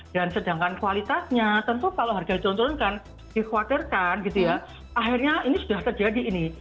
dan sedangkan kualitasnya tentu kalau harga turun turunkan dikhawatirkan gitu ya akhirnya ini sudah terjadi ini